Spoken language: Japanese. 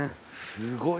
すごい。